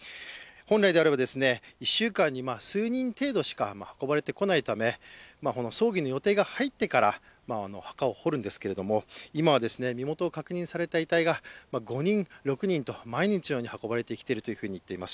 本来であれば１週間に数人程度しか運ばれてこないため葬儀の予定が入ってから墓を掘るんですけども今は身元を確認された遺体が５人、６人と毎日のように運ばれているということでした。